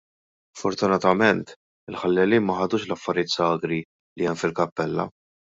Fortunatament, il-ħallelin ma ħadux l-affarijiet sagri li hemm fil-kappella.